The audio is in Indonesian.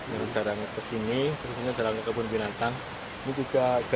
menurut cara menurut kesini terus ini jalan kebun binatang